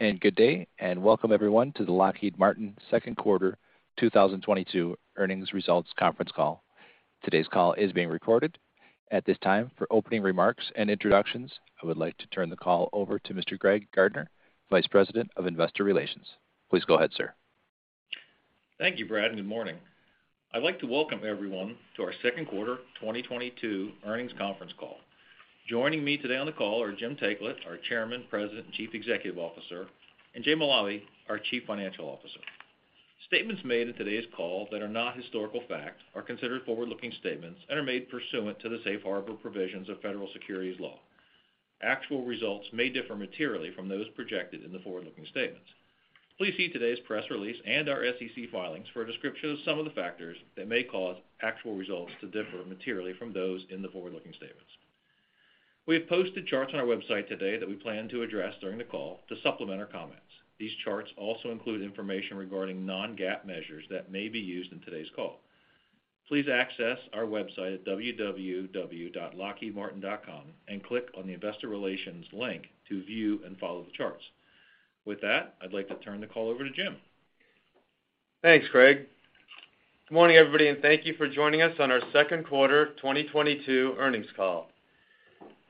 Good day, and welcome everyone to the Lockheed Martin second quarter 2022 earnings results conference call. Today's call is being recorded. At this time, for opening remarks and introductions, I would like to turn the call over to Mr. Greg Gardner, Vice President of Investor Relations. Please go ahead, sir. Thank you, Brad, and good morning. I'd like to welcome everyone to our second quarter 2022 earnings conference call. Joining me today on the call are Jim Taiclet, our Chairman, President, and Chief Executive Officer, and Jay Malave, our Chief Financial Officer. Statements made in today's call that are not historical facts are considered forward-looking statements and are made pursuant to the safe harbor provisions of federal securities law. Actual results may differ materially from those projected in the forward-looking statements. Please see today's press release and our SEC filings for a description of some of the factors that may cause actual results to differ materially from those in the forward-looking statements. We have posted charts on our website today that we plan to address during the call to supplement our comments. These charts also include information regarding non-GAAP measures that may be used in today's call. Please access our website at www.lockheedmartin.com and click on the Investor Relations link to view and follow the charts. With that, I'd like to turn the call over to Jim. Thanks, Greg. Good morning, everybody, and thank you for joining us on our second quarter 2022 earnings call.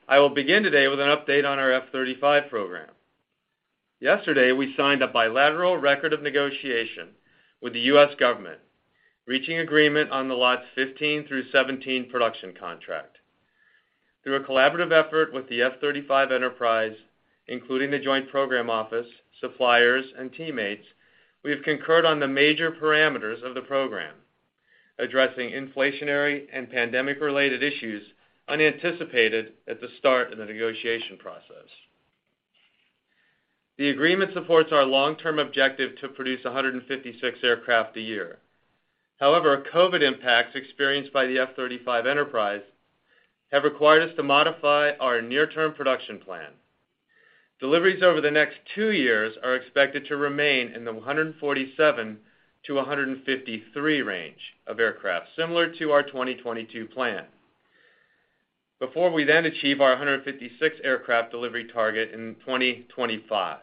I will begin today with an update on our F-35 program. Yesterday, we signed a bilateral record of negotiation with the U.S. government, reaching agreement on the Lots 15 through 17 production contract. Through a collaborative effort with the F-35 enterprise, including the Joint Program Office, suppliers, and teammates, we have concurred on the major parameters of the program, addressing inflationary and pandemic-related issues unanticipated at the start of the negotiation process. The agreement supports our long-term objective to produce 156 aircraft a year. However, COVID-19 impacts experienced by the F-35 enterprise have required us to modify our near-term production plan. Deliveries over the next two years are expected to remain in the 147-153 range of aircraft, similar to our 2022 plan, before we then achieve our 156 aircraft delivery target in 2025.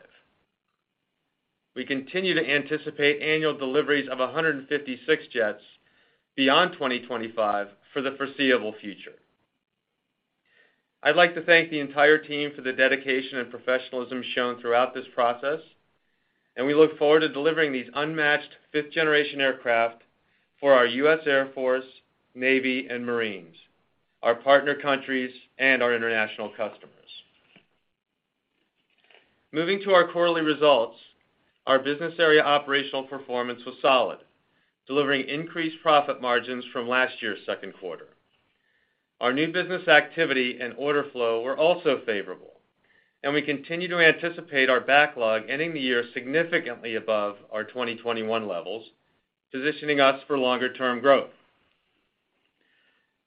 We continue to anticipate annual deliveries of 156 jets beyond 2025 for the foreseeable future. I'd like to thank the entire team for the dedication and professionalism shown throughout this process, and we look forward to delivering these unmatched fifth-generation aircraft for our U.S. Air Force, U.S. Navy, and U.S. Marine Corps, our partner countries, and our international customers. Moving to our quarterly results, our business area operational performance was solid, delivering increased profit margins from last year's second quarter. Our new business activity and order flow were also favorable, and we continue to anticipate our backlog ending the year significantly above our 2021 levels, positioning us for longer-term growth.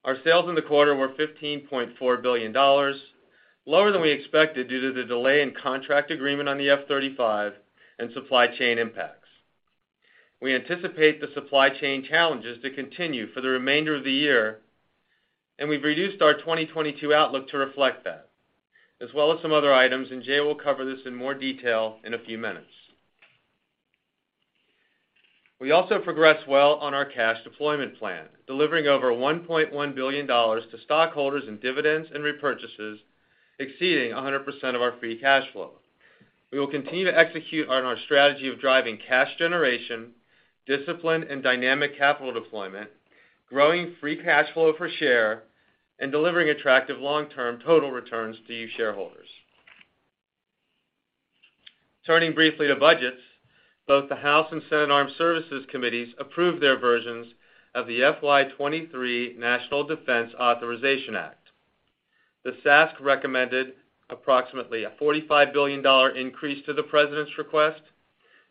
Our sales in the quarter were $15.4 billion, lower than we expected due to the delay in contract agreement on the F-35 and supply chain impacts. We anticipate the supply chain challenges to continue for the remainder of the year, and we've reduced our 2022 outlook to reflect that, as well as some other items, and Jay will cover this in more detail in a few minutes. We also progressed well on our cash deployment plan, delivering over $1.1 billion to stockholders in dividends and repurchases, exceeding 100% of our free cash flow. We will continue to execute on our strategy of driving cash generation, discipline and dynamic capital deployment, growing free cash flow per share, and delivering attractive long-term total returns to you shareholders. Turning briefly to budgets, both the House and Senate Armed Services Committees approved their versions of the FY 2023 National Defense Authorization Act. The SASC recommended approximately a $45 billion increase to the President's request,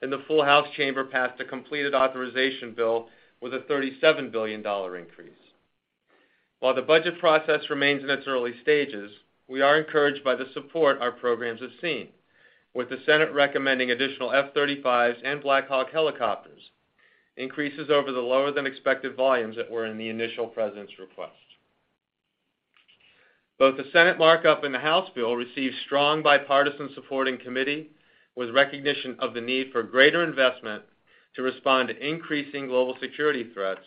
and the full House chamber passed a completed authorization bill with a $37 billion increase. While the budget process remains in its early stages, we are encouraged by the support our programs have seen, with the Senate recommending additional F-35s and Black Hawk helicopters, increases over the lower-than-expected volumes that were in the initial President's request. Both the Senate markup and the House bill received strong bipartisan support in committee, with recognition of the need for greater investment to respond to increasing global security threats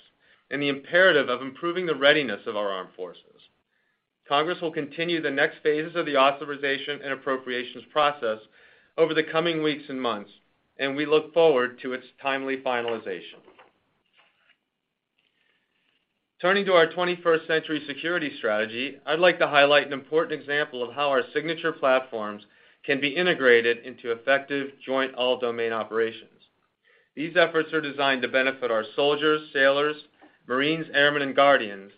and the imperative of improving the readiness of our Armed Forces. Congress will continue the next phases of the authorization and appropriations process over the coming weeks and months, and we look forward to its timely finalization. Turning to our 21st Century Security strategy, I'd like to highlight an important example of how our signature platforms can be integrated into effective joint all-domain operations. These efforts are designed to benefit our soldiers, sailors, marines, airmen, and guardians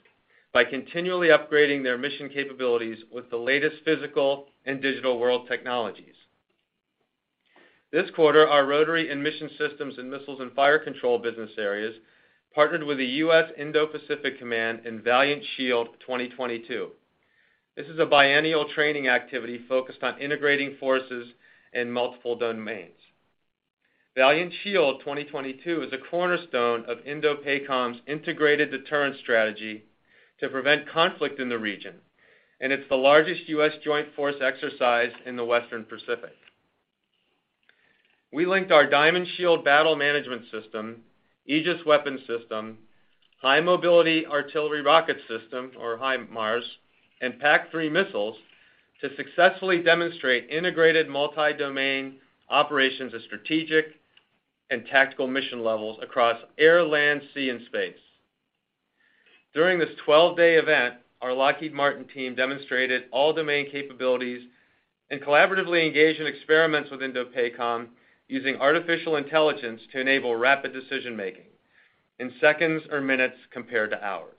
by continually upgrading their mission capabilities with the latest physical and digital world technologies. This quarter, our Rotary and Mission Systems and Missiles and Fire Control business areas partnered with the U.S. Indo-Pacific Command in Valiant Shield 2022. This is a biennial training activity focused on integrating forces in multiple domains. Valiant Shield 2022 is a cornerstone of INDOPACOM's integrated deterrent strategy to prevent conflict in the region, and it's the largest U.S. joint force exercise in the Western Pacific. We linked our DIAMONDShield battle management system, Aegis Weapon System, High Mobility Artillery Rocket System, or HIMARS, and PAC-3 missiles to successfully demonstrate integrated multi-domain operations at strategic and tactical mission levels across air, land, sea, and space. During this 12-day event, our Lockheed Martin team demonstrated all domain capabilities and collaboratively engaged in experiments with INDOPACOM using artificial intelligence to enable rapid decision-making in seconds or minutes compared to hours.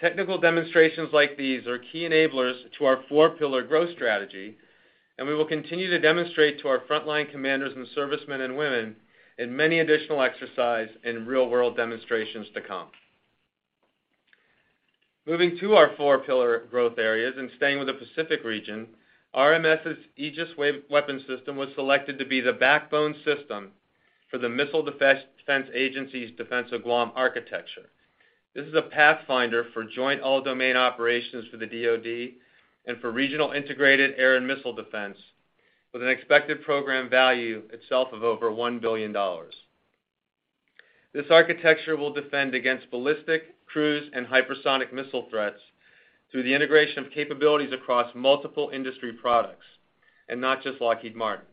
Technical demonstrations like these are key enablers to our four-pillar growth strategy, and we will continue to demonstrate to our frontline commanders and servicemen and women in many additional exercise and real-world demonstrations to come. Moving to our four-pillar growth areas and staying with the Pacific region, RMS' Aegis Weapon System was selected to be the backbone system for the Missile Defense Agency's defense of Guam architecture. This is a pathfinder for joint all-domain operations for the DoD and for regional integrated air and missile defense with an expected program value itself of over $1 billion. This architecture will defend against ballistic, cruise, and hypersonic missile threats through the integration of capabilities across multiple industry products, and not just Lockheed Martin's.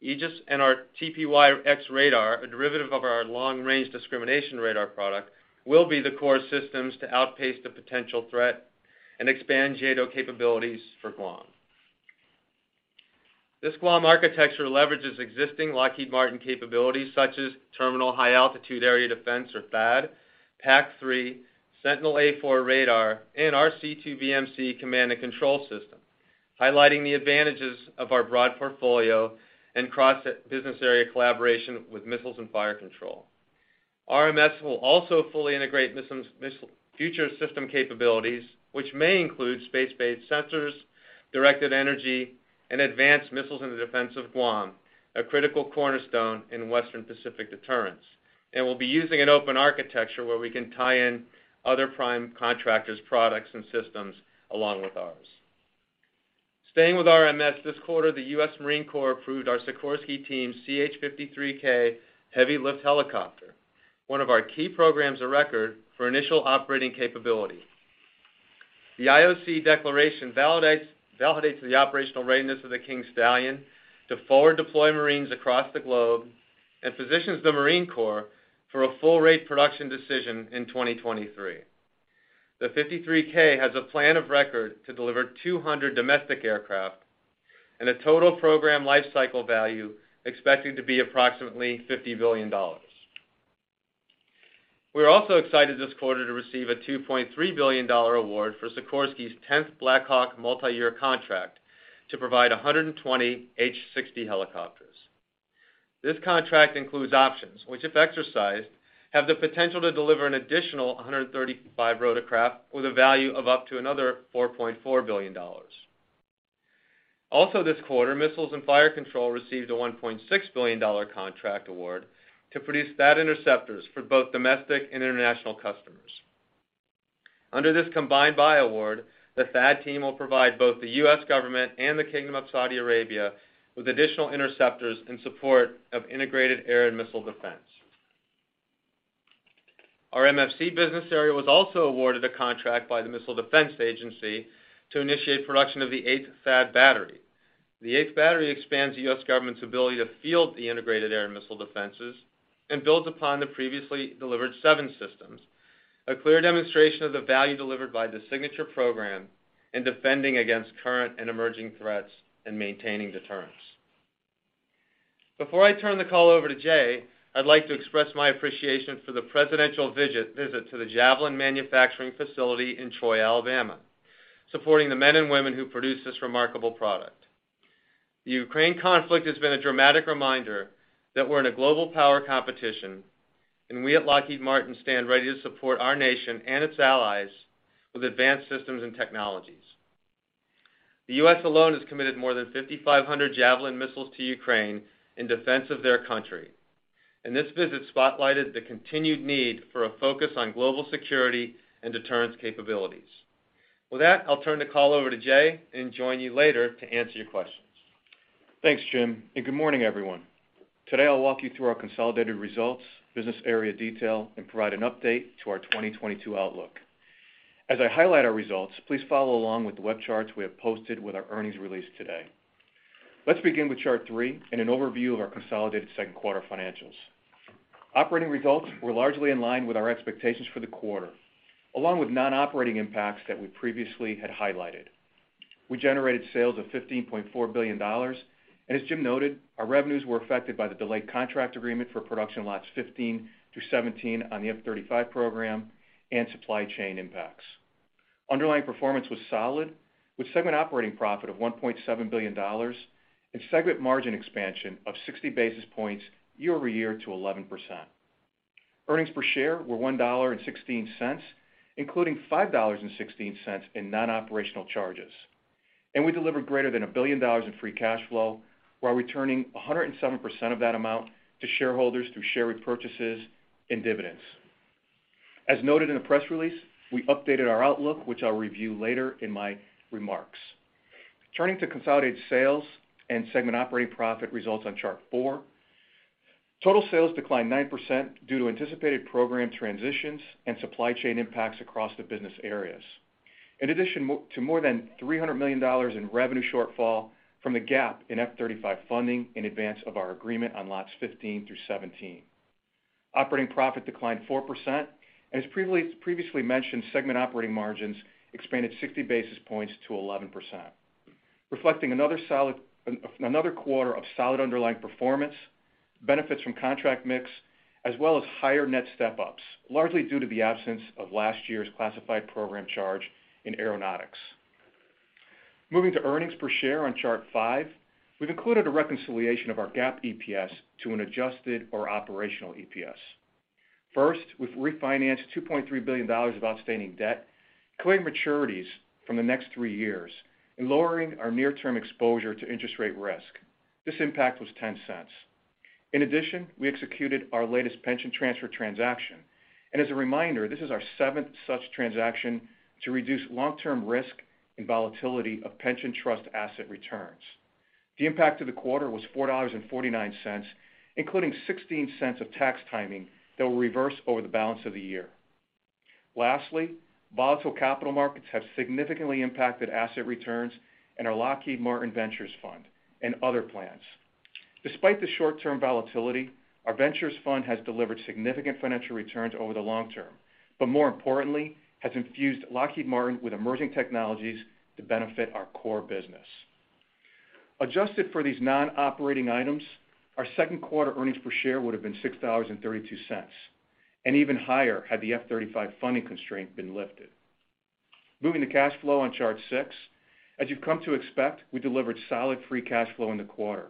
Aegis and our TPY-X radar, a derivative of our Long Range Discrimination Radar product, will be the core systems to outpace the potential threat and expand JADO capabilities for Guam. This Guam architecture leverages existing Lockheed Martin capabilities such as Terminal High Altitude Area Defense, or THAAD, PAC-3, Sentinel A4 radar, and our C2BMC Command and Control system, highlighting the advantages of our broad portfolio and cross-business area collaboration with Missiles and Fire Control. RMS will also fully integrate future system capabilities, which may include space-based sensors, directed energy, and advanced missiles in the defense of Guam, a critical cornerstone in Western Pacific deterrence. We'll be using an open architecture where we can tie in other prime contractors, products, and systems along with ours. Staying with RMS, this quarter, the U.S. Marine Corps approved our Sikorsky team's CH-53K heavy lift helicopter, one of our key programs of record for initial operating capability. The IOC declaration validates the operational readiness of the King Stallion to forward deploy Marines across the globe and positions the Marine Corps for a full rate production decision in 2023. The CH-53K has a plan of record to deliver 200 domestic aircraft and a total program life cycle value expected to be approximately $50 billion. We're also excited this quarter to receive a $2.3 billion award for Sikorsky's tenth Black Hawk multi-year contract to provide 120 H-60 helicopters. This contract includes options, which, if exercised, have the potential to deliver an additional 135 rotorcraft with a value of up to another $4.4 billion. Also this quarter, Missiles and Fire Control received a $1.6 billion contract award to produce THAAD interceptors for both domestic and international customers. Under this combined buy award, the THAAD team will provide both the U.S. government and the Kingdom of Saudi Arabia with additional interceptors in support of integrated air and missile defense. Our MFC business area was also awarded a contract by the Missile Defense Agency to initiate production of the eighth THAAD battery. The eighth battery expands the U.S. government's ability to field the integrated air and missile defenses and builds upon the previously delivered seven systems, a clear demonstration of the value delivered by the signature program in defending against current and emerging threats and maintaining deterrence. Before I turn the call over to Jay, I'd like to express my appreciation for the presidential visit to the Javelin manufacturing facility in Troy, Alabama, supporting the men and women who produce this remarkable product. The Ukraine conflict has been a dramatic reminder that we're in a global power competition, and we at Lockheed Martin stand ready to support our nation and its allies with advanced systems and technologies. The U.S. alone has committed more than 5,500 Javelin missiles to Ukraine in defense of their country, and this visit spotlighted the continued need for a focus on global security and deterrence capabilities. With that, I'll turn the call over to Jay and join you later to answer your questions. Thanks, Jim, and good morning, everyone. Today, I'll walk you through our consolidated results, business area detail, and provide an update to our 2022 outlook. As I highlight our results, please follow along with the web charts we have posted with our earnings release today. Let's begin with chart three and an overview of our consolidated second quarter financials. Operating results were largely in line with our expectations for the quarter, along with non-operating impacts that we previously had highlighted. We generated sales of $15.4 billion, and as Jim noted, our revenues were affected by the delayed contract agreement for production Lots 15 through 17 on the F-35 program and supply chain impacts. Underlying performance was solid with segment operating profit of $1.7 billion and segment margin expansion of 60 basis points year-over-year to 11%. Earnings per share were $1.16, including $5.16 in non-operational charges. We delivered greater than $1 billion in free cash flow while returning 107% of that amount to shareholders through share repurchases and dividends. As noted in the press release, we updated our outlook, which I'll review later in my remarks. Turning to consolidated sales and segment operating profit results on chart four. Total sales declined 9% due to anticipated program transitions and supply chain impacts across the business areas. In addition to more than $300 million in revenue shortfall from the gap in F-35 funding in advance of our agreement on Lots 15 through 17. Operating profit declined 4%, and as previously mentioned, segment operating margins expanded 60 basis points to 11%, reflecting another quarter of solid underlying performance, benefits from contract mix, as well as higher net step-ups, largely due to the absence of last year's classified program charge in Aeronautics. Moving to earnings per share on chart five, we've included a reconciliation of our GAAP EPS to an adjusted or operational EPS. First, we've refinanced $2.3 billion of outstanding debt, clearing maturities from the next three years and lowering our near-term exposure to interest rate risk. This impact was $0.10. In addition, we executed our latest pension transfer transaction. As a reminder, this is our seventh such transaction to reduce long-term risk and volatility of pension trust asset returns. The impact to the quarter was $4.49, including $0.16 of tax timing that will reverse over the balance of the year. Volatile capital markets have significantly impacted asset returns in our Lockheed Martin Ventures fund and other plans. Despite the short-term volatility, our Lockheed Martin Ventures fund has delivered significant financial returns over the long term, but more importantly, has infused Lockheed Martin with emerging technologies to benefit our core business. Adjusted for these non-operating items, our second quarter earnings per share would have been $6.32, and even higher had the F-35 funding constraint been lifted. Moving to cash flow on chart six. You've come to expect, we delivered solid free cash flow in the quarter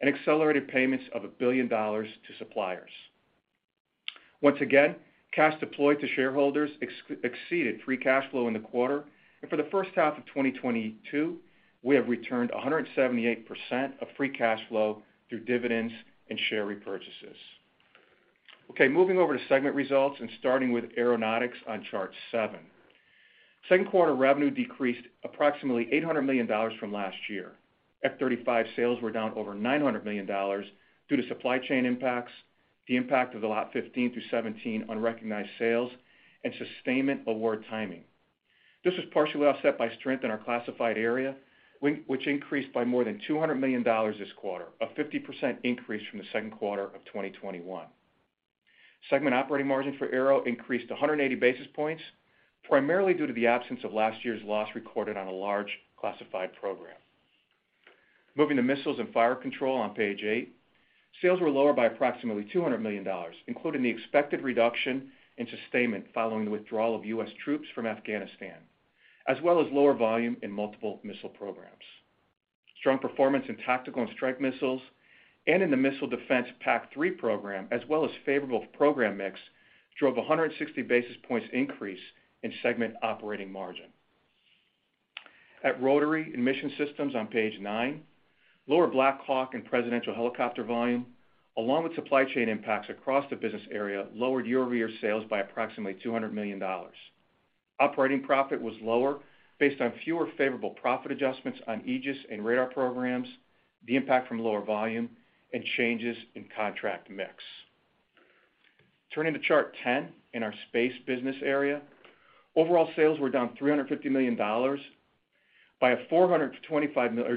and accelerated payments of $1 billion to suppliers. Once again, cash deployed to shareholders exceeded free cash flow in the quarter, and for the first half of 2022, we have returned 178% of free cash flow through dividends and share repurchases. Okay, moving over to segment results and starting with Aeronautics on chart seven. Second quarter revenue decreased approximately $800 million from last year. F-35 sales were down over $900 million due to supply chain impacts, the impact of the Lot 15 through 17 unrecognized sales, and sustainment award timing. This was partially offset by strength in our classified area, which increased by more than $200 million this quarter, a 50% increase from the second quarter of 2021. Segment operating margin for aero increased 180 basis points, primarily due to the absence of last year's loss recorded on a large classified program. Moving to Missiles and Fire Control on page eight. Sales were lower by approximately $200 million, including the expected reduction in sustainment following the withdrawal of U.S. troops from Afghanistan, as well as lower volume in multiple missile programs. Strong performance in tactical and strike missiles and in the missile defense PAC-3 program, as well as favorable program mix, drove 160 basis points increase in segment operating margin. At Rotary and Mission Systems on page nine, lower Black Hawk and presidential helicopter volume, along with supply chain impacts across the business area, lowered year-over-year sales by approximately $200 million. Operating profit was lower based on fewer favorable profit adjustments on Aegis and Radar programs, the impact from lower volume, and changes in contract mix. Turning to chart 10, in our Space business area, overall sales were down $350 million,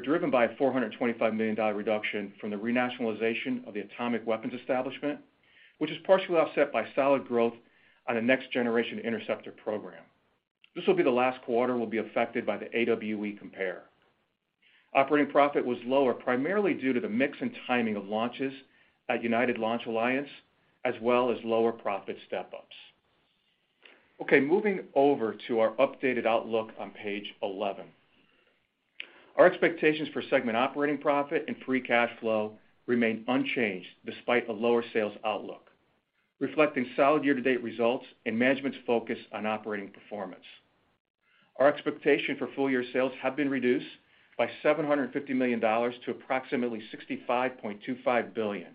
driven by a $425 million reduction from the renationalization of the Atomic Weapons Establishment, which is partially offset by solid growth on a Next Generation Interceptor program. This will be the last quarter we'll be affected by the AWE compare. Operating profit was lower, primarily due to the mix and timing of launches at United Launch Alliance, as well as lower profit step-ups. Okay, moving over to our updated outlook on page 11. Our expectations for segment operating profit and free cash flow remain unchanged despite a lower sales outlook, reflecting solid year-to-date results and management's focus on operating performance. Our expectation for full-year sales has been reduced by $750 million to approximately $65.25 billion.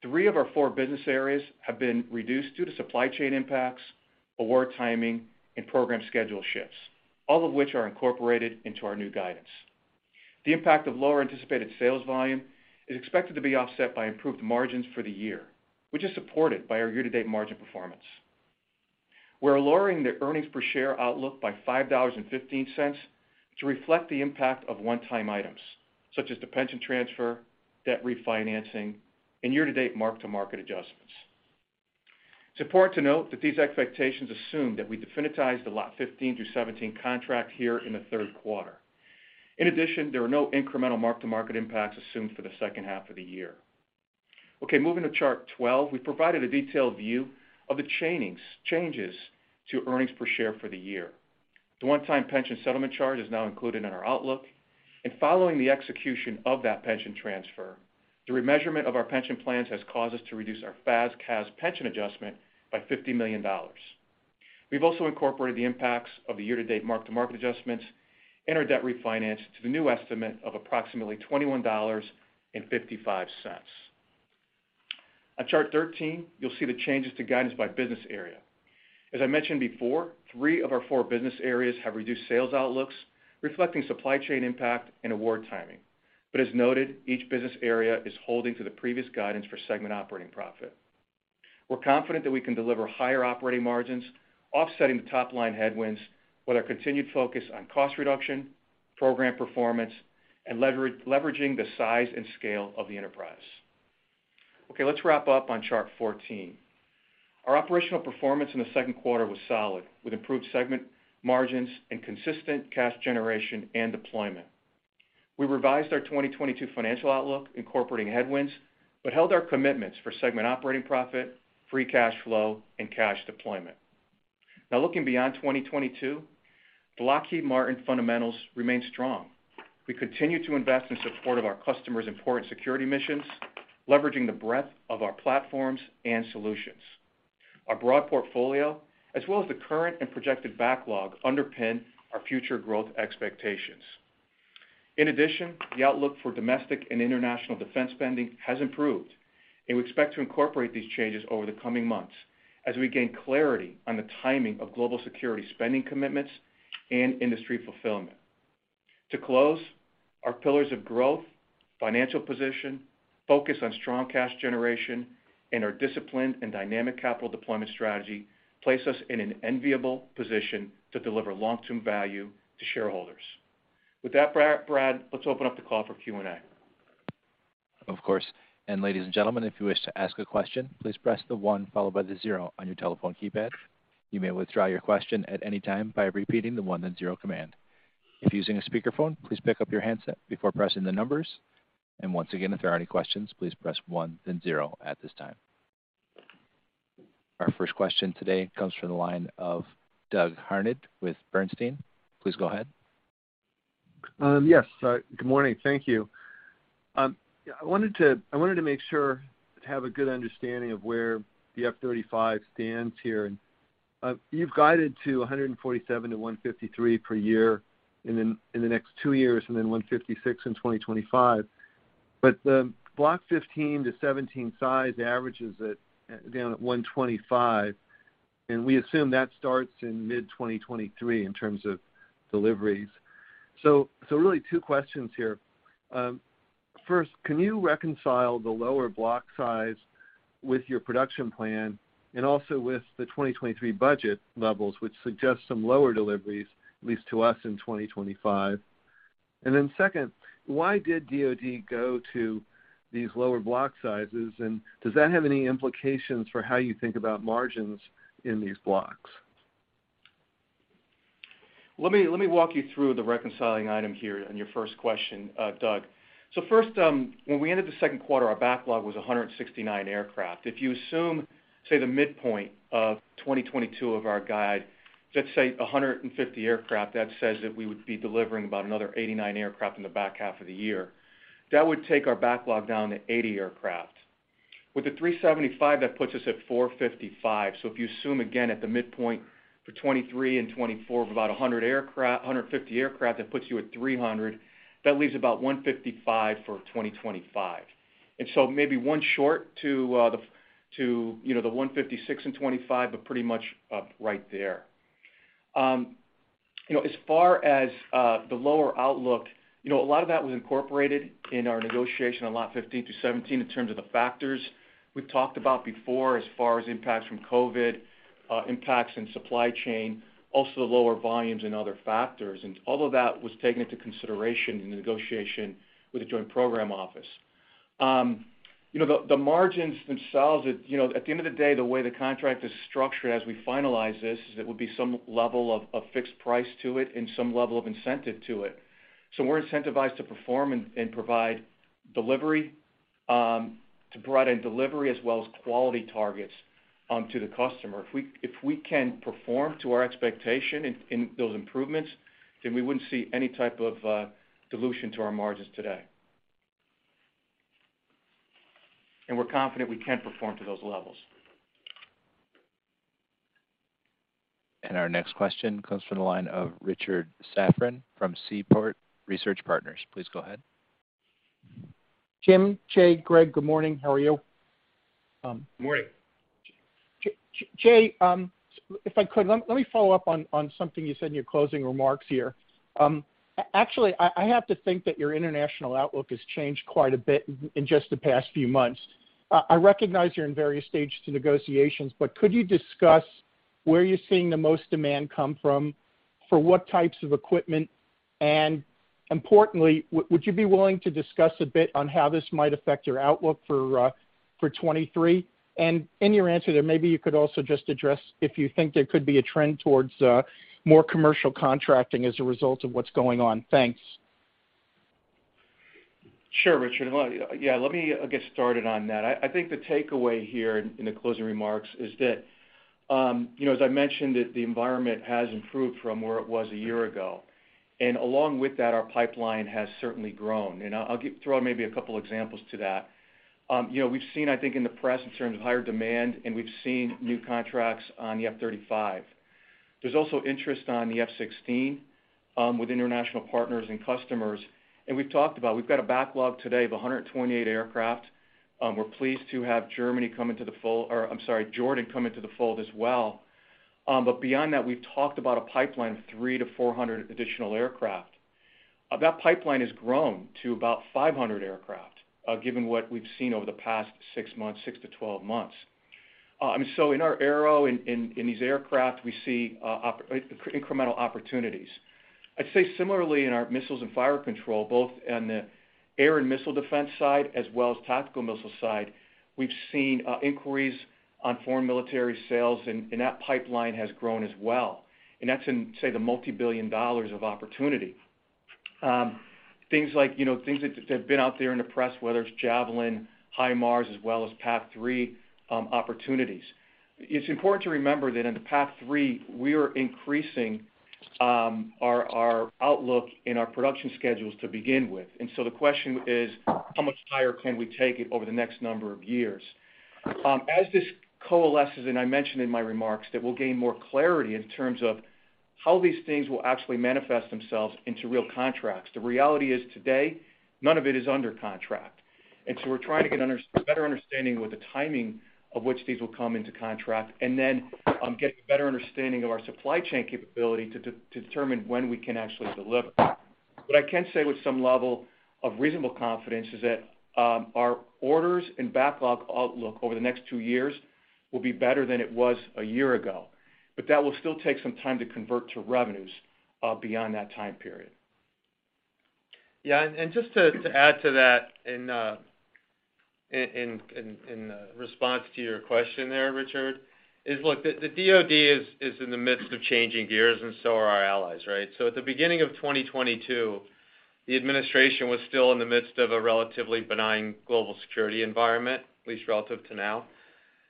Three of our four business areas have been reduced due to supply chain impacts, award timing, and program schedule shifts, all of which are incorporated into our new guidance. The impact of lower anticipated sales volume is expected to be offset by improved margins for the year, which is supported by our year-to-date margin performance. We're lowering the earnings per share outlook by $5.15 to reflect the impact of one-time items such as the pension transfer, debt refinancing, and year-to-date mark-to-market adjustments. It's important to note that these expectations assume that we definitize the Lot 15 through 17 contract here in the third quarter. In addition, there are no incremental mark-to-market impacts assumed for the second half of the year. Okay, moving to chart 12, we've provided a detailed view of the changes to earnings per share for the year. The one-time pension settlement charge is now included in our outlook, and following the execution of that pension transfer, the remeasurement of our pension plans has caused us to reduce our FAS/CAS pension adjustment by $50 million. We've also incorporated the impacts of the year-to-date mark-to-market adjustments and our debt refinance to the new estimate of approximately $21.55. On chart 13, you'll see the changes to guidance by business area. As I mentioned before, three of our four business areas have reduced sales outlooks reflecting supply chain impact and award timing. As noted, each business area is holding to the previous guidance for segment operating profit. We're confident that we can deliver higher operating margins, offsetting the top-line headwinds with our continued focus on cost reduction, program performance, and leveraging the size and scale of the enterprise. Okay, let's wrap up on chart 14. Our operational performance in the second quarter was solid, with improved segment margins and consistent cash generation and deployment. We revised our 2022 financial outlook incorporating headwinds, but held our commitments for segment operating profit, free cash flow, and cash deployment. Now looking beyond 2022, the Lockheed Martin fundamentals remain strong. We continue to invest in support of our customers' important security missions, leveraging the breadth of our platforms and solutions. Our broad portfolio, as well as the current and projected backlog, underpin our future growth expectations. In addition, the outlook for domestic and international defense spending has improved, and we expect to incorporate these changes over the coming months as we gain clarity on the timing of global security spending commitments and industry fulfillment. To close, our pillars of growth, financial position, focus on strong cash generation, and our disciplined and dynamic capital deployment strategy place us in an enviable position to deliver long-term value to shareholders. With that, Brad, let's open up the call for Q&A. Of course. Ladies and gentlemen, if you wish to ask a question, please press the one followed by the zero on your telephone keypad. You may withdraw your question at any time by repeating the one, then zero command. If using a speakerphone, please pick up your handset before pressing the numbers. Once again, if there are any questions, please press one then zero at this time. Our first question today comes from the line of Doug Harned with Bernstein. Please go ahead. Yes, good morning. Thank you. I wanted to make sure to have a good understanding of where the F-35 stands here. You've guided to 147-153 per year in the next two years, and then 156 in 2025. The Block 15 to 17 size averages at down at 125, and we assume that starts in mid-2023 in terms of deliveries. Really two questions here. First, can you reconcile the lower block size with your production plan and also with the 2023 budget levels, which suggest some lower deliveries, at least to us in 2025? Then second, why did DoD go to these lower block sizes, and does that have any implications for how you think about margins in these blocks? Let me walk you through the reconciling item here on your first question, Doug. First, when we ended the second quarter, our backlog was 169 aircraft. If you assume, say, the midpoint of 2022 of our guide, let's say 150 aircraft, that says that we would be delivering about another 89 aircraft in the back half of the year. That would take our backlog down to 80 aircraft. With the 375, that puts us at 455. If you assume again at the midpoint for 2023 and 2024 of about 100 aircraft, 150 aircraft, that puts you at 300. That leaves about 155 for 2025. Maybe one short to, you know, the 156 in 2025, but pretty much right there. You know, as far as the lower outlook, you know, a lot of that was incorporated in our negotiation on Lot 15-17 in terms of the factors we've talked about before, as far as impacts from COVID-19, impacts in supply chain, also the lower volumes and other factors. All of that was taken into consideration in the negotiation with the Joint Program Office. You know, the margins themselves, you know, at the end of the day, the way the contract is structured as we finalize this is there will be some level of fixed price to it and some level of incentive to it. We're incentivized to perform and provide delivery as well as quality targets to the customer. If we can perform to our expectation in those improvements, then we wouldn't see any type of dilution to our margins today. We're confident we can perform to those levels. Our next question comes from the line of Richard Safran from Seaport Research Partners. Please go ahead. Jim, Jay, Greg, good morning. How are you? Good morning. Jay, if I could, let me follow up on something you said in your closing remarks here. Actually, I have to think that your international outlook has changed quite a bit in just the past few months. I recognize you're in various stages of negotiations, but could you discuss where you're seeing the most demand come from, for what types of equipment? Importantly, would you be willing to discuss a bit on how this might affect your outlook for 2023? In your answer there, maybe you could also just address if you think there could be a trend towards more commercial contracting as a result of what's going on. Thanks. Sure, Richard. Well, yeah, let me get started on that. I think the takeaway here in the closing remarks is that, you know, as I mentioned that the environment has improved from where it was a year ago. Along with that, our pipeline has certainly grown. I'll throw maybe a couple examples to that. You know, we've seen, I think, in the press in terms of higher demand, and we've seen new contracts on the F-35. There's also interest on the F-16 with international partners and customers. We've talked about. We've got a backlog today of 128 aircraft. We're pleased to have Jordan come into the fold as well. But beyond that, we've talked about a pipeline of 300-400 additional aircraft. That pipeline has grown to about 500 aircraft, given what we've seen over the past six months, six to 12 months. I mean, in our aero, in these aircraft, we see incremental opportunities. I'd say similarly in our Missiles and Fire Control, both on the air and missile defense side as well as tactical missile side, we've seen inquiries on foreign military sales, and that pipeline has grown as well. That's in, say, the multi-billion dollars of opportunity. Things like, you know, things that have been out there in the press, whether it's Javelin, HIMARS, as well as PAC-3 opportunities. It's important to remember that in the PAC-3, we are increasing our outlook in our production schedules to begin with. The question is, how much higher can we take it over the next number of years? As this coalesces, and I mentioned in my remarks, that we'll gain more clarity in terms of how these things will actually manifest themselves into real contracts. The reality is today, none of it is under contract. We're trying to get a better understanding with the timing of which these will come into contract, and then, get a better understanding of our supply chain capability to determine when we can actually deliver. What I can say with some level of reasonable confidence is that, our orders and backlog outlook over the next two years will be better than it was a year ago. That will still take some time to convert to revenues beyond that time period. Just to add to that in response to your question there, Richard, is look, the DoD is in the midst of changing gears, and so are our allies, right? At the beginning of 2022, the administration was still in the midst of a relatively benign global security environment, at least relative to now.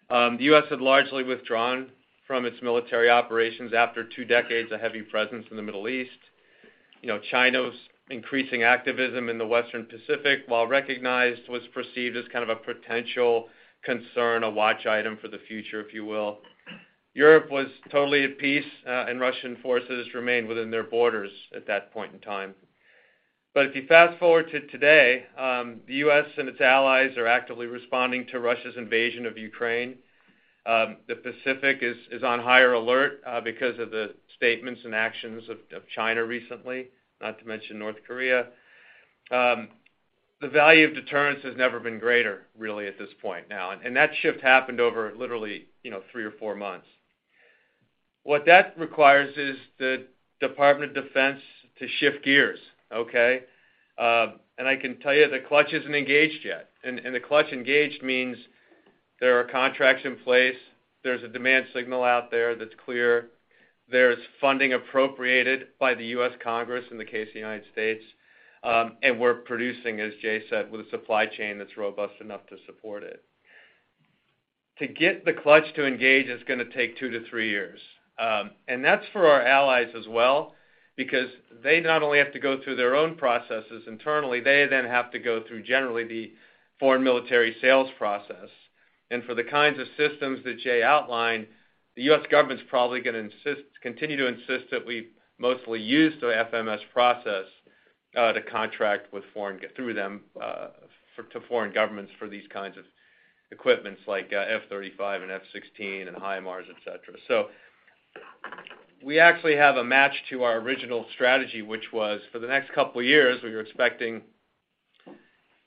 The U.S. had largely withdrawn from its military operations after two decades of heavy presence in the Middle East. You know, China's increasing activism in the Western Pacific, while recognized, was perceived as kind of a potential concern, a watch item for the future, if you will. Europe was totally at peace, and Russian forces remained within their borders at that point in time. If you fast-forward to today, the U.S. and its allies are actively responding to Russia's invasion of Ukraine. The Pacific is on higher alert because of the statements and actions of China recently, not to mention North Korea. The value of deterrence has never been greater, really, at this point now. That shift happened over literally, you know, three or four months. What that requires is the Department of Defense to shift gears, okay? I can tell you the clutch isn't engaged yet. The clutch engaged means there are contracts in place, there's a demand signal out there that's clear, there's funding appropriated by the U.S. Congress in the case of the United States, and we're producing, as Jay said, with a supply chain that's robust enough to support it. To get the clutch to engage, it's gonna take two to three years. That's for our allies as well, because they not only have to go through their own processes internally, they then have to go through generally the foreign military sales process. For the kinds of systems that Jay outlined, the U.S. government's probably gonna insist, continue to insist that we mostly use the FMS process to contract through them to foreign governments for these kinds of equipment like F-35 and F-16 and HIMARS, et cetera. We actually have a match to our original strategy, which was for the next couple years, we were expecting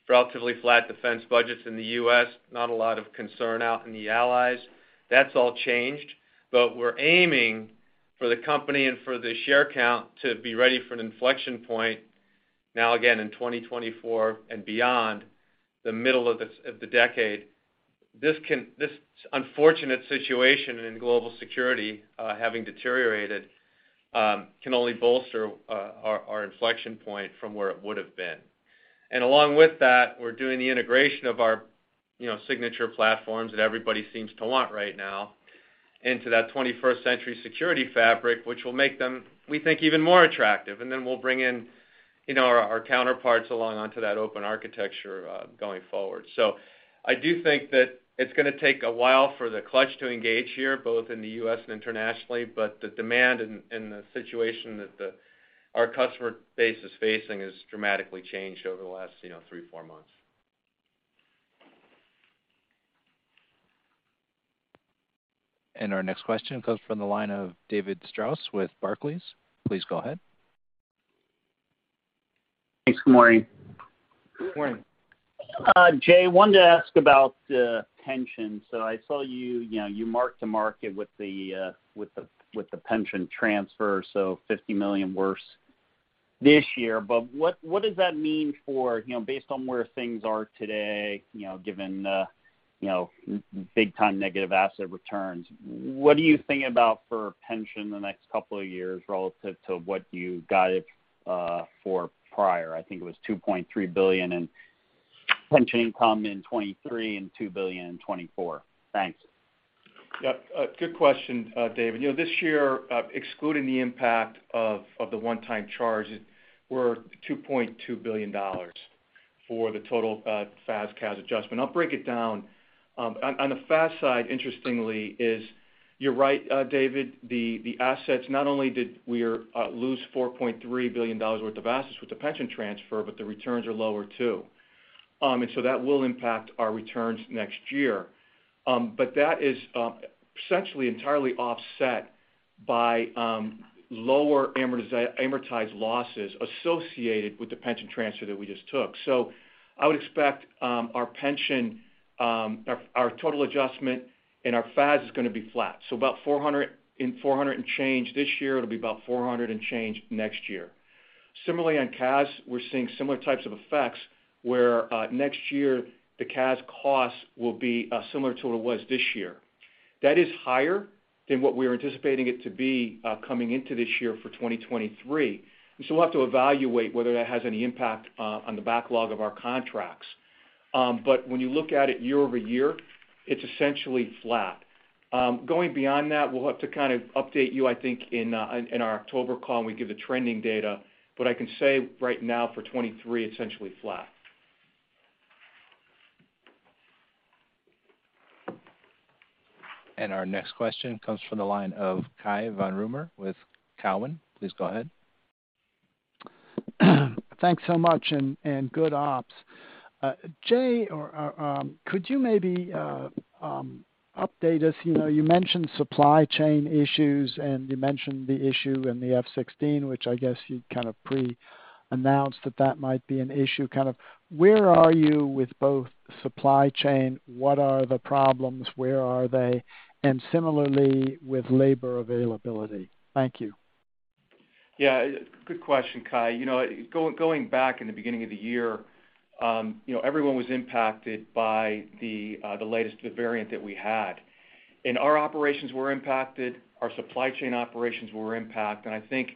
relatively flat defense budgets in the U.S., not a lot of concern out in the allies. That's all changed. We're aiming for the company and for the share count to be ready for an inflection point now again in 2024 and beyond the middle of this of the decade. This unfortunate situation in global security having deteriorated can only bolster our inflection point from where it would have been. Along with that, we're doing the integration of our you know signature platforms that everybody seems to want right now into that 21st Century Security fabric, which will make them, we think, even more attractive. Then we'll bring in you know our counterparts along onto that open architecture going forward. I do think that it's gonna take a while for the clutch to engage here, both in the U.S. and internationally, but the demand and the situation that our customer base is facing has dramatically changed over the last, you know, three, four months. Our next question comes from the line of David Strauss with Barclays. Please go ahead. Thanks. Good morning. Good morning. Jay, wanted to ask about the pension. I saw you know, you mark to market with the pension transfer, so $50 million worse this year. What does that mean for, you know, based on where things are today, you know, given- You know, big time negative asset returns. What do you think about for pension the next couple of years relative to what you got it for prior? I think it was $2.3 billion in pension income in 2023 and $2 billion in 2024. Thanks. Yeah. Good question, David. You know, this year, excluding the impact of the one-time charge, it were $2.2 billion for the total FAS/CAS adjustment. I'll break it down. On the FAS side, interestingly, you're right, David, the assets, not only did we lose $4.3 billion worth of assets with the pension transfer, but the returns are lower too. That will impact our returns next year. But that is essentially entirely offset by lower amortized losses associated with the pension transfer that we just took. I would expect our pension, our total adjustment in our FAS is gonna be flat. About 400 and change this year, it'll be about 400 and change next year. Similarly, on CAS, we're seeing similar types of effects, where next year, the CAS costs will be similar to what it was this year. That is higher than what we're anticipating it to be coming into this year for 2023. We'll have to evaluate whether that has any impact on the backlog of our contracts. When you look at it year-over-year, it's essentially flat. Going beyond that, we'll have to kind of update you, I think, in our October call when we give the trending data. I can say right now for 2023, essentially flat. Our next question comes from the line of Cai von Rumohr with Cowen. Please go ahead. Thanks so much, and good afternoon. Jay, could you maybe update us? You know, you mentioned supply chain issues, and you mentioned the issue in the F-16, which I guess you kind of pre-announced that might be an issue. Kind of where are you with both supply chain? What are the problems? Where are they? Similarly, with labor availability. Thank you. Yeah. Good question, Cai. You know, going back in the beginning of the year, you know, everyone was impacted by the latest variant that we had. Our operations were impacted, our supply chain operations were impacted, and I think,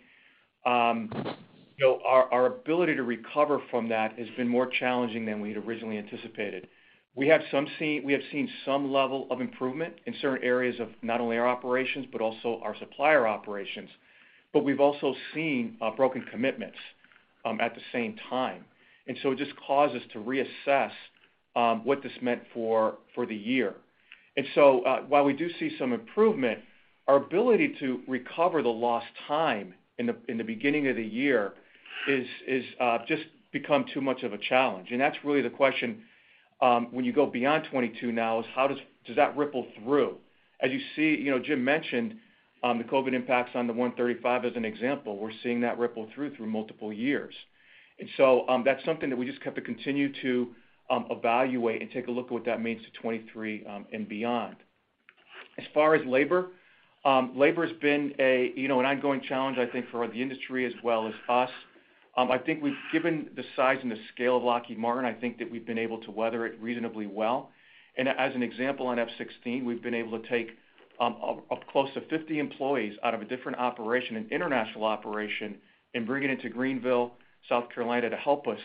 you know, our ability to recover from that has been more challenging than we'd originally anticipated. We have seen some level of improvement in certain areas of not only our operations, but also our supplier operations. We've also seen broken commitments at the same time. It just caused us to reassess what this meant for the year. While we do see some improvement, our ability to recover the lost time in the beginning of the year is just become too much of a challenge. That's really the question, when you go beyond 2022 now is how does that ripple through? As you see, you know, Jim mentioned, the COVID-19 impacts on the F-35 as an example. We're seeing that ripple through multiple years. That's something that we just have to continue to evaluate and take a look at what that means to 2023, and beyond. As far as labor has been a, you know, an ongoing challenge, I think, for the industry as well as us. I think we've, given the size and the scale of Lockheed Martin, I think that we've been able to weather it reasonably well. As an example on F-16, we've been able to take close to 50 employees out of a different operation, an international operation, and bring it into Greenville, South Carolina, to help us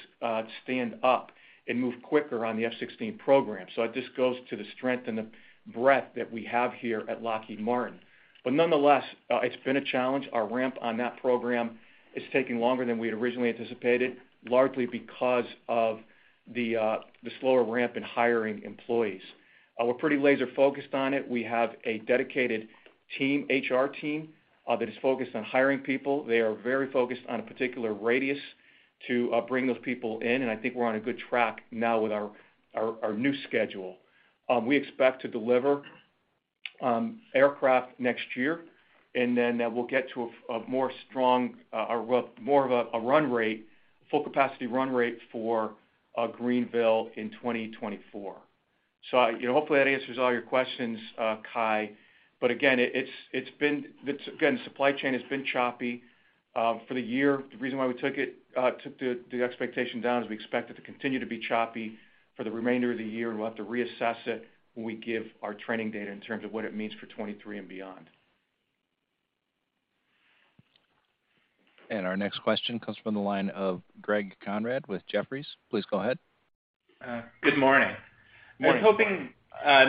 stand up and move quicker on the F-16 program. It just goes to the strength and the breadth that we have here at Lockheed Martin. Nonetheless, it's been a challenge. Our ramp on that program is taking longer than we had originally anticipated, largely because of the slower ramp in hiring employees. We're pretty laser focused on it. We have a dedicated team, HR team, that is focused on hiring people. They are very focused on a particular radius to bring those people in, and I think we're on a good track now with our new schedule. We expect to deliver aircraft next year, and then we'll get to a more strong or well, more of a run rate, full capacity run rate for Greenville in 2024. You know, hopefully that answers all your questions, Cai. Again, it's been again, the supply chain has been choppy for the year. The reason why we took the expectation down is we expect it to continue to be choppy for the remainder of the year, and we'll have to reassess it when we give our trending data in terms of what it means for 2023 and beyond. Our next question comes from the line of Greg Konrad with Jefferies. Please go ahead. Good morning. Morning. I was hoping,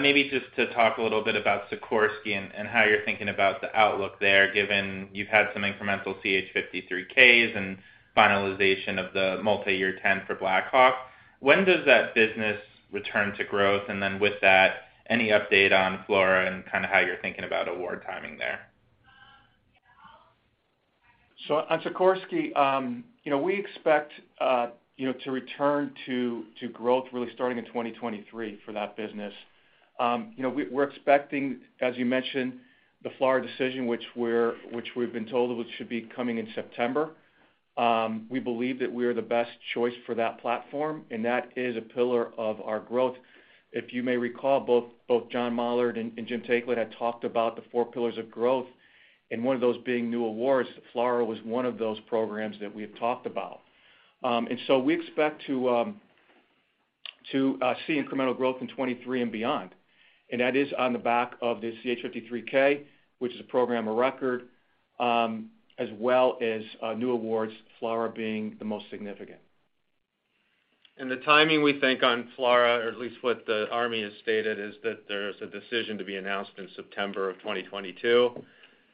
maybe just to talk a little bit about Sikorsky and how you're thinking about the outlook there, given you've had some incremental CH-53Ks and finalization of the multi-year 10 for Black Hawk. When does that business return to growth? With that, any update on FLRAA and kind of how you're thinking about award timing there? On Sikorsky, you know, we expect, you know, to return to growth really starting in 2023 for that business. We're expecting, as you mentioned, the FLRAA decision, which we've been told should be coming in September. We believe that we are the best choice for that platform, and that is a pillar of our growth. If you may recall, both John Mollard and Jim Taiclet had talked about the four pillars of growth, and one of those being new awards. FLRAA was one of those programs that we had talked about. We expect to see incremental growth in 2023 and beyond. That is on the back of the CH-53K, which is a program of record, as well as new awards, FLRAA being the most significant. The timing we think on FLRAA, or at least what the Army has stated, is that there's a decision to be announced in September of 2022.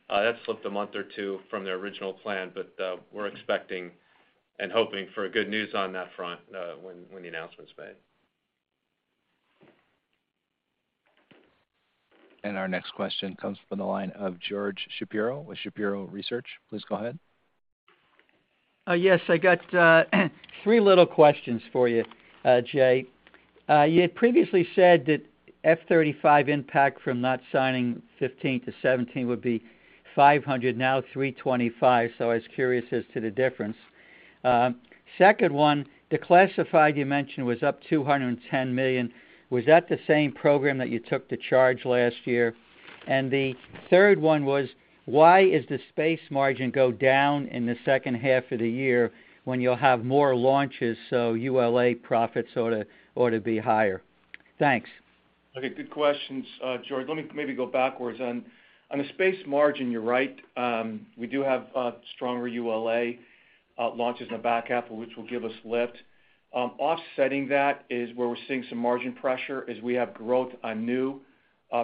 That slipped a month or two from their original plan, but we're expecting and hoping for a good news on that front, when the announcement's made. Our next question comes from the line of George Shapiro with Shapiro Research. Please go ahead. Yes, I got three little questions for you, Jay. You had previously said that F-35 impact from not signing 15-17 would be $500 million, now $325 million, so I was curious as to the difference. Second one, the classified you mentioned was up $210 million. Was that the same program that you took the charge last year? The third one was, why is the space margin go down in the second half of the year when you'll have more launches, so ULA profits ought to be higher? Thanks. Okay, good questions, George. Let me maybe go backwards. On the space margin, you're right, we do have stronger ULA launches in the back half which will give us lift. Offsetting that is where we're seeing some margin pressure, is we have growth on new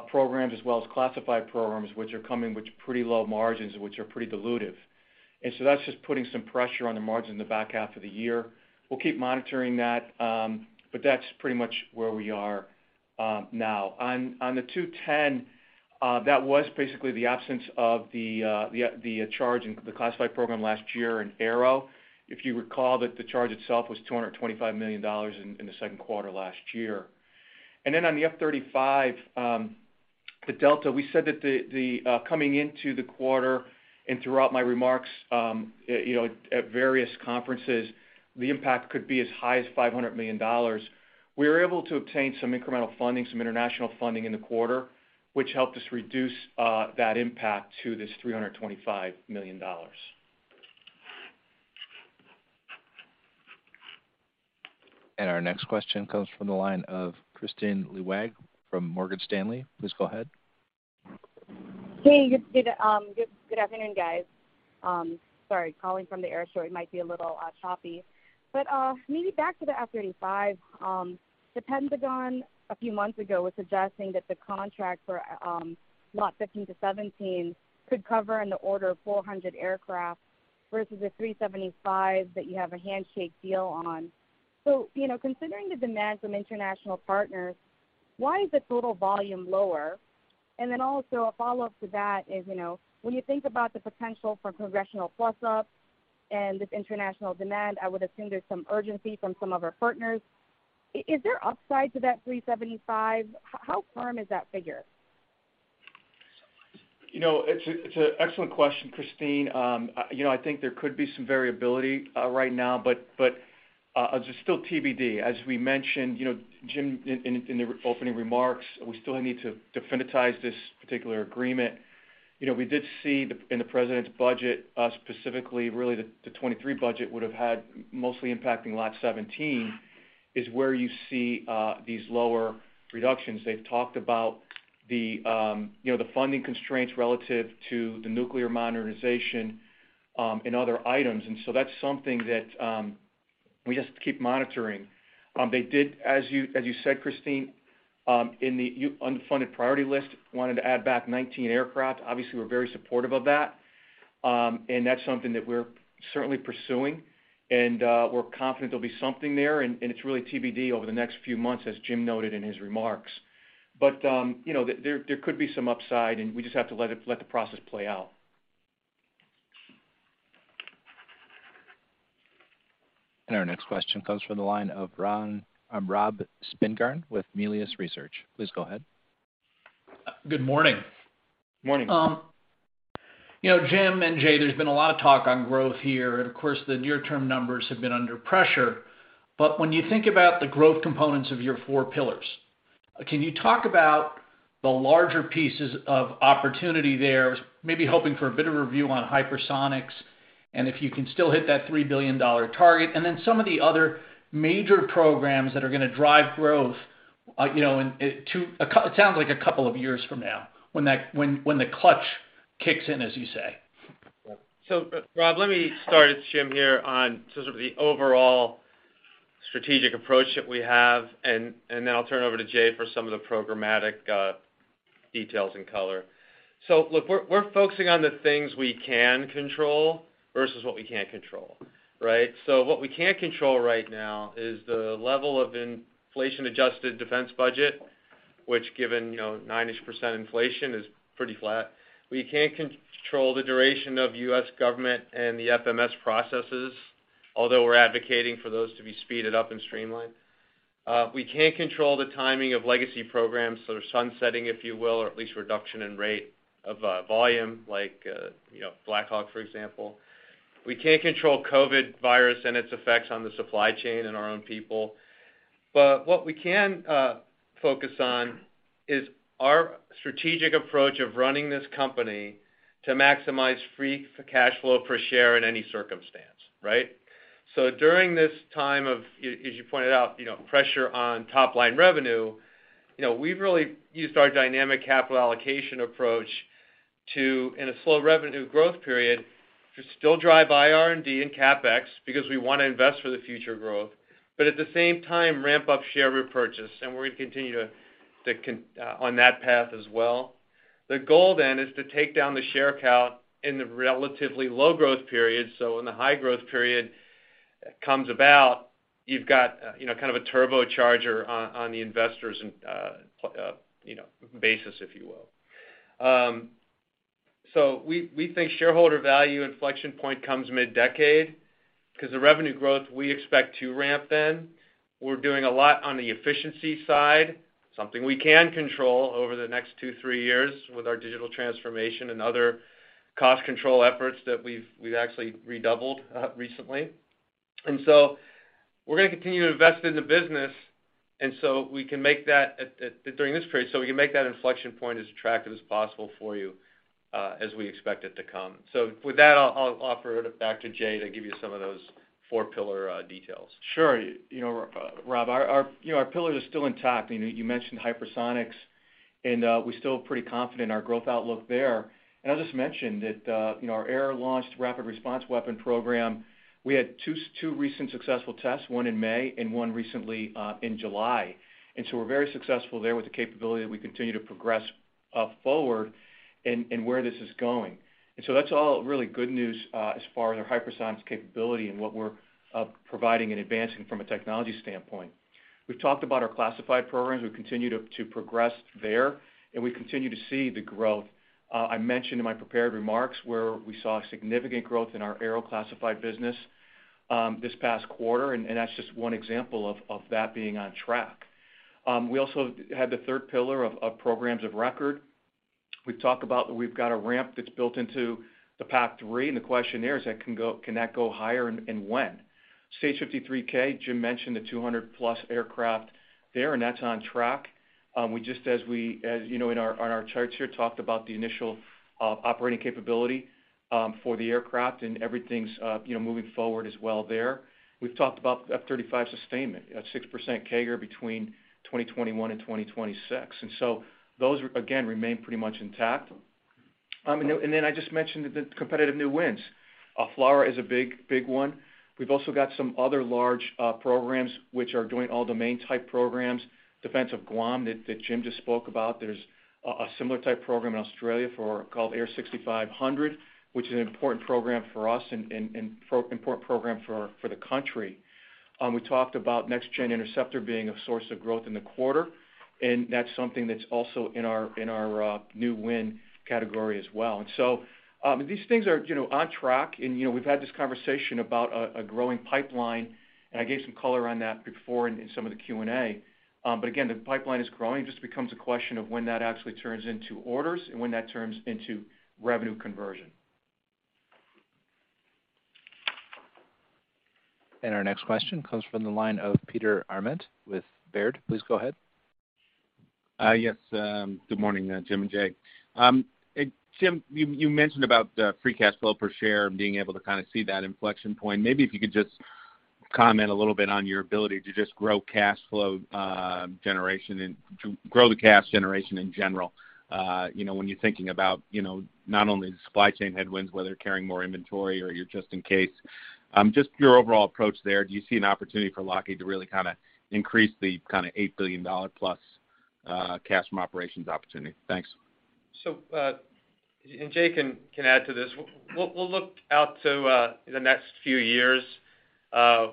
programs as well as classified programs, which are coming with pretty low margins, which are pretty dilutive. That's just putting some pressure on the margin in the back half of the year. We'll keep monitoring that, but that's pretty much where we are now. On the $210 million, that was basically the absence of the charge in the classified program last year in Aero. If you recall, the charge itself was $225 million in the second quarter last year. On the F-35, the delta, we said that the coming into the quarter and throughout my remarks, you know, at various conferences, the impact could be as high as $500 million. We were able to obtain some incremental funding, some international funding in the quarter, which helped us reduce that impact to this $325 million. Our next question comes from the line of Kristine Liwag from Morgan Stanley. Please go ahead. Hey, good afternoon, guys. Sorry, calling from the air, so it might be a little choppy. Maybe back to the F-35, the Pentagon a few months ago was suggesting that the contract for Lot 15 through 17 could cover in the order of 400 aircraft versus the 375 that you have a handshake deal on. Considering the demands from international partners, why is the total volume lower? Also a follow-up to that is, you know, when you think about the potential for congressional plus-up and this international demand, I would assume there's some urgency from some of our partners. Is there upside to that 375? How firm is that figure? It's an excellent question, Kristine. You know, I think there could be some variability right now, but it's still TBD. As we mentioned, you know, Jim, in the opening remarks, we still need to definitize this particular agreement. You know, we did see in the president's budget, specifically really the 2023 budget would have had mostly impacting Lot 17 is where you see these lower reductions. They've talked about the funding constraints relative to the nuclear modernization and other items. That's something that we just keep monitoring. They did, as you said, Kristine, in the unfunded priority list, wanted to add back 19 aircraft. Obviously, we're very supportive of that, and that's something that we're certainly pursuing. We're confident there'll be something there, and it's really TBD over the next few months, as Jim noted in his remarks. You know, there could be some upside, and we just have to let the process play out. Our next question comes from the line of Robert Spingarn with Melius Research. Please go ahead. Good morning. Morning. You know, Jim and Jay, there's been a lot of talk on growth here, and of course, the near-term numbers have been under pressure. When you think about the growth components of your four pillars, can you talk about the larger pieces of opportunity there? Maybe hoping for a bit of review on hypersonics and if you can still hit that $3 billion target. Some of the other major programs that are gonna drive growth, you know, in a couple of years from now when the clutch kicks in, as you say. Rob, let me start, as Jim here, on sort of the overall strategic approach that we have, and then I'll turn it over to Jay for some of the programmatic details and color. Look, we're focusing on the things we can control versus what we can't control, right? What we can't control right now is the level of inflation-adjusted defense budget, which given, you know, 9-ish% inflation is pretty flat. We can't control the duration of U.S. government and the FMS processes, although we're advocating for those to be speeded up and streamlined. We can't control the timing of legacy programs that are sunsetting, if you will, or at least reduction in rate of volume, like, you know, Black Hawk, for example. We can't control COVID-19 virus and its effects on the supply chain and our own people. What we can focus on is our strategic approach of running this company to maximize free cash flow per share in any circumstance, right? During this time of, as you pointed out, you know, pressure on top line revenue, you know, we've really used our dynamic capital allocation approach to, in a slow revenue growth period, to still drive R&D and CapEx because we wanna invest for the future growth, but at the same time, ramp up share repurchase, and we're gonna continue on that path as well. The goal then is to take down the share count in the relatively low growth period, so when the high growth period comes about, you've got, you know, kind of a turbocharger on the investors' and basis, if you will. We think shareholder value inflection point comes mid-decade 'cause the revenue growth we expect to ramp then. We're doing a lot on the efficiency side, something we can control over the next two, three years with our digital transformation and other cost control efforts that we've actually redoubled recently. We're gonna continue to invest in the business, and so we can make that during this period, so we can make that inflection point as attractive as possible for you, as we expect it to come. With that, I'll offer it back to Jay to give you some of those four-pillar details. Sure. You know, Rob, you know, our pillars are still intact. You know, you mentioned hypersonics, and we're still pretty confident in our growth outlook there. I'll just mention that, you know, our Air-launched Rapid Response Weapon program, we had two recent successful tests, one in May and one recently in July. We're very successful there with the capability that we continue to progress forward and where this is going. That's all really good news as far as our hypersonics capability and what we're providing and advancing from a technology standpoint. We've talked about our classified programs. We've continued to progress there, and we continue to see the growth. I mentioned in my prepared remarks where we saw significant growth in our aero-classified business, this past quarter, and that's just one example of that being on track. We also had the third pillar of programs of record. We've talked about that we've got a ramp that's built into the PAC-3, and the question there is can that go higher and when? CH-53K, Jim mentioned the 200+ aircraft there, and that's on track. We just, as you know, on our charts here, talked about the initial operating capability for the aircraft and everything's, you know, moving forward as well there. We've talked about F-35 sustainment at 6% CAGR between 2021 and 2026. Those, again, remain pretty much intact. I just mentioned the competitive new wins. FLRAA is a big one. We've also got some other large programs which are doing all domain-type programs. Defense of Guam that Jim just spoke about. There's a similar type program in Australia called AIR6500, which is an important program for us and important program for the country. We talked about Next Generation Interceptor being a source of growth in the quarter, and that's something that's also in our new win category as well. These things are, you know, on track and, you know, we've had this conversation about a growing pipeline, and I gave some color on that before in some of the Q&A. Again, the pipeline is growing. It just becomes a question of when that actually turns into orders and when that turns into revenue conversion. Our next question comes from the line of Peter Arment with Baird. Please go ahead. Good morning, Jim and Jay. Jim, you mentioned about free cash flow per share and being able to kind of see that inflection point. Maybe if you could just comment a little bit on your ability to just grow cash flow generation and to grow the cash generation in general, you know, when you're thinking about, you know, not only the supply chain headwinds, whether carrying more inventory or your just in case, just your overall approach there. Do you see an opportunity for Lockheed Martin to really kind of increase the kind of $8 billion-plus cash from operations opportunity? Thanks. Jay can add to this. We'll look out to the next few years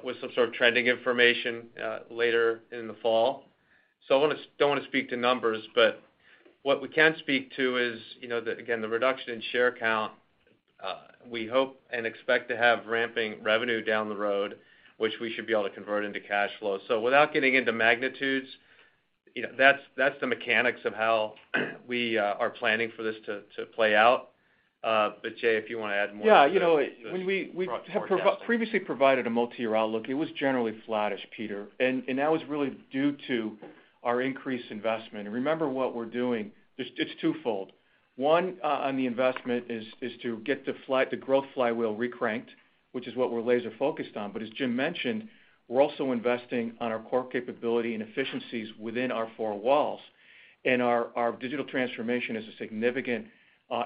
with some sort of trending information later in the fall. I don't wanna speak to numbers, but what we can speak to is, you know, again, the reduction in share count, we hope and expect to have ramping revenue down the road, which we should be able to convert into cash flow. Without getting into magnitudes, you know, that's the mechanics of how we are planning for this to play out. But Jay, if you wanna add more to the forecast. You know, when we have previously provided a multi-year outlook, it was generally flattish, Peter, and that was really due to our increased investment. Remember what we're doing, it's twofold. One, on the investment is to get the growth flywheel recranked, which is what we're laser-focused on. As Jim mentioned, we're also investing on our core capability and efficiencies within our four walls, and our digital transformation is a significant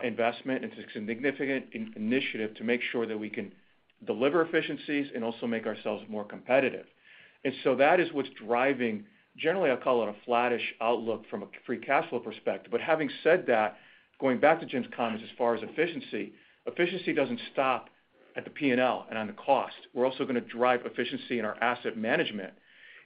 investment, and it's a significant initiative to make sure that we can deliver efficiencies and also make ourselves more competitive. That is what's driving, generally, I'll call it a flattish outlook from a free cash flow perspective. Having said that, going back to Jim's comments as far as efficiency doesn't stop at the P&L and on the cost. We're also gonna drive efficiency in our asset management,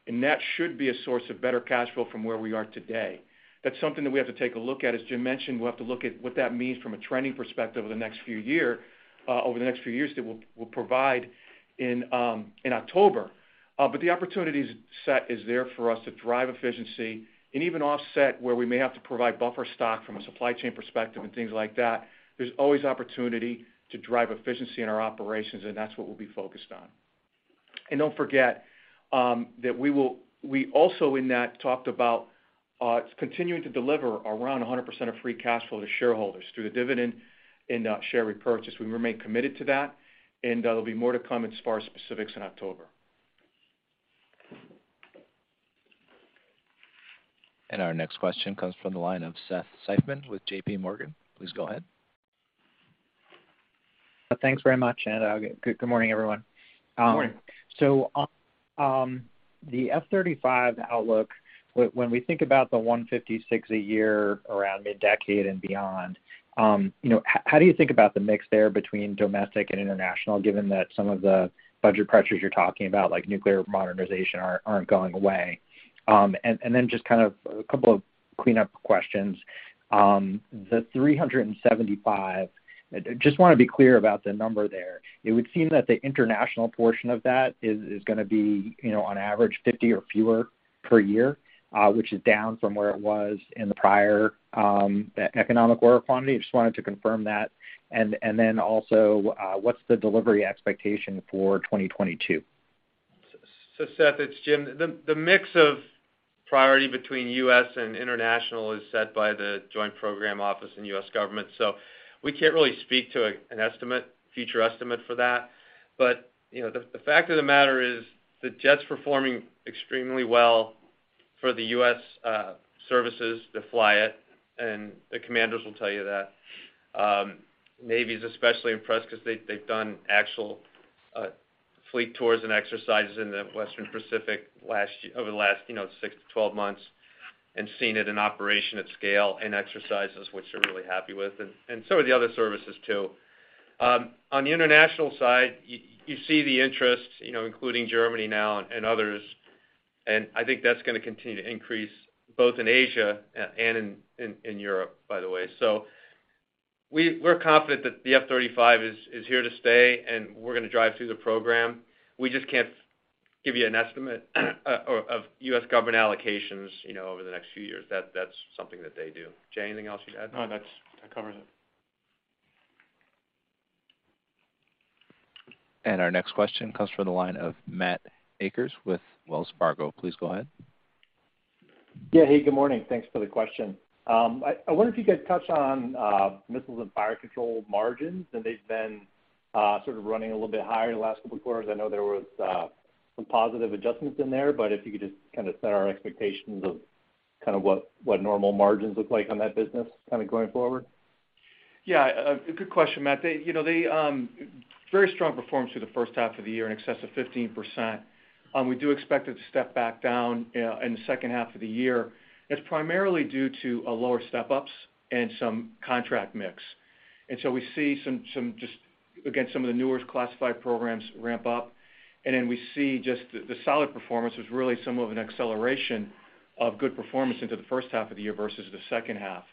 and that should be a source of better cash flow from where we are today. That's something that we have to take a look at. As Jim mentioned, we'll have to look at what that means from a trending perspective over the next few years that we'll provide in October. The opportunity set is there for us to drive efficiency and even offset where we may have to provide buffer stock from a supply chain perspective and things like that. There's always opportunity to drive efficiency in our operations, and that's what we'll be focused on. Don't forget that we also in that talked about continuing to deliver around 100% of free cash flow to shareholders through the dividend and share repurchase. We remain committed to that, and there'll be more to come as far as specifics in October. Our next question comes from the line of Seth Seifman with JPMorgan. Please go ahead. Thanks very much. Good morning, everyone. Good morning. On the F-35 outlook, when we think about the 156 a year around mid-decade and beyond, you know, how do you think about the mix there between domestic and international, given that some of the budget pressures you're talking about, like nuclear modernization, aren't going away? Then just kind of a couple of cleanup questions. The 375, just wanna be clear about the number there. It would seem that the international portion of that is gonna be, you know, on average 50 or fewer per year, which is down from where it was in the prior economic order quantity. Just wanted to confirm that. Then also, what's the delivery expectation for 2022? Seth, it's Jim. The mix of priority between U.S. and international is set by the Joint Program Office and U.S. government, so we can't really speak to an estimate, future estimate for that. You know, the fact of the matter is the jet's performing extremely well for the U.S. services that fly it, and the commanders will tell you that. Navy is especially impressed because they've done actual fleet tours and exercises in the Western Pacific last year, over the last, you know, six to 12 months and seen it in operation at scale in exercises, which they're really happy with, and so are the other services too. On the international side, you see the interest, you know, including Germany now and others, and I think that's gonna continue to increase both in Asia and in Europe, by the way. We're confident that the F-35 is here to stay, and we're gonna drive through the program. We just can't give you an estimate of U.S. government allocations, you know, over the next few years. That's something that they do. Jay, anything else you'd add? No, that covers it. Our next question comes from the line of Matt Akers with Wells Fargo. Please go ahead. Yeah. Hey, good morning. Thanks for the question. I wonder if you could touch on Missiles and Fire Control margins, and they've been sort of running a little bit higher the last couple of quarters. I know there was some positive adjustments in there, but if you could just kind of set our expectations of kind of what normal margins look like on that business kind of going forward. Yeah. A good question, Matt. They, you know, very strong performance through the first half of the year, in excess of 15%. We do expect it to step back down in the second half of the year. That's primarily due to lower step-ups and some contract mix. We see some just again some of the newer classified programs ramp up, and then we see just the solid performance was really somewhat of an acceleration of good performance into the first half of the year versus the second half.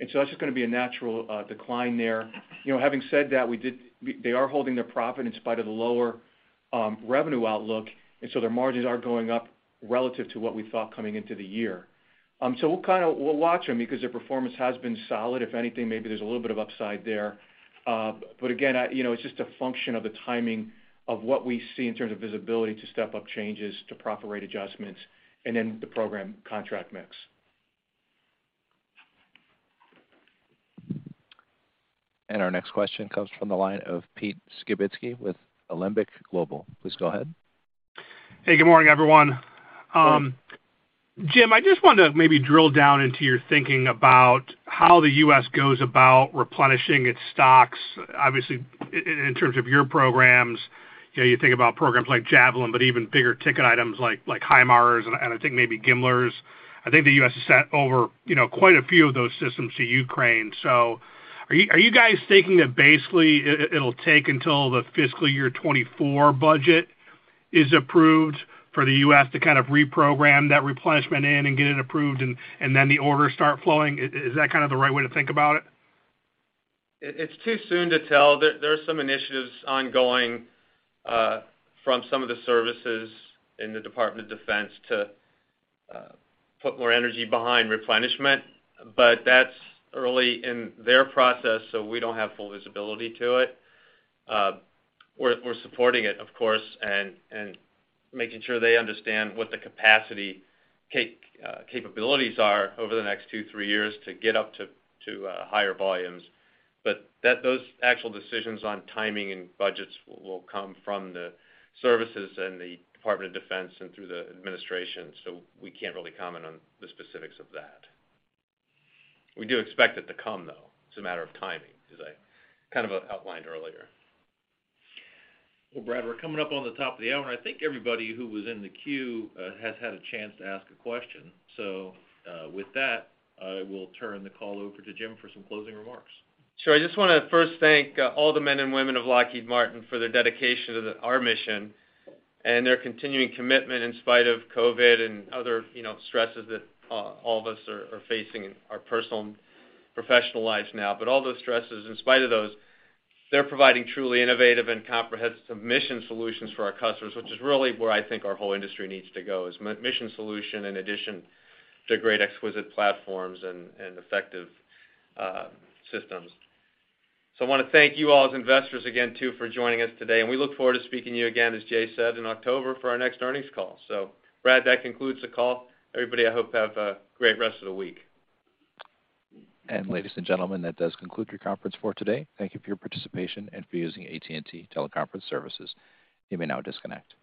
That's just gonna be a natural decline there. You know, having said that, they are holding their profit in spite of the lower revenue outlook, and so their margins are going up relative to what we thought coming into the year. We'll kind of watch them because their performance has been solid. If anything, maybe there's a little bit of upside there. Again, you know, it's just a function of the timing of what we see in terms of visibility to step-up changes, to profit rate adjustments, and then the program contract mix. Our next question comes from the line of Pete Skibitski with Alembic Global. Please go ahead. Hey, good morning, everyone. Good morning. Jim, I just wanted to maybe drill down into your thinking about how the U.S. goes about replenishing its stocks. Obviously, in terms of your programs, you know, you think about programs like Javelin, but even bigger ticket items like HIMARS and I think maybe GMLRS. I think the U.S. has sent over, you know, quite a few of those systems to Ukraine. Are you guys thinking that basically it'll take until the fiscal year 2024 budget is approved for the U.S. to kind of reprogram that replenishment in and get it approved and then the orders start flowing? Is that kind of the right way to think about it? It's too soon to tell. There are some initiatives ongoing from some of the services in the Department of Defense to put more energy behind replenishment, but that's early in their process, so we don't have full visibility to it. We're supporting it, of course, and making sure they understand what the capabilities are over the next two, three years to get up to higher volumes. Those actual decisions on timing and budgets will come from the services and the Department of Defense and through the administration, so we can't really comment on the specifics of that. We do expect it to come, though. It's a matter of timing, as I kind of outlined earlier. Well, Brad, we're coming up on the top of the hour, and I think everybody who was in the queue has had a chance to ask a question. With that, I will turn the call over to Jim for some closing remarks. Sure. I just wanna first thank all the men and women of Lockheed Martin for their dedication to our mission and their continuing commitment in spite of COVID-19 and other, you know, stresses that all of us are facing in our personal and professional lives now. All those stresses, in spite of those, they're providing truly innovative and comprehensive mission solutions for our customers, which is really where I think our whole industry needs to go, is mission solution in addition to great exquisite platforms and effective systems. I wanna thank you all as investors again too for joining us today, and we look forward to speaking to you again, as Jay said, in October for our next earnings call. Brad, that concludes the call. Everybody, I hope you have a great rest of the week. Ladies and gentlemen, that does conclude your conference for today. Thank you for your participation and for using AT&T Teleconference Services. You may now disconnect.